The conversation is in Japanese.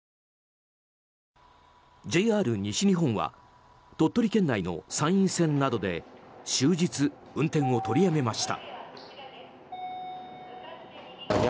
ＪＲ西日本は鳥取県内の山陰線などで終日、運転を取りやめました。